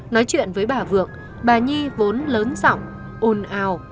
nói chuyện với bà vượng bà nhi vốn lớn giọng ồn ào